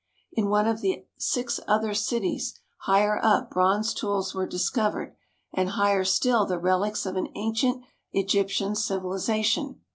. In one of the six other cities, higher up, bronze tools were discovered, and higher still the relics of an ancient Egyptian civilization.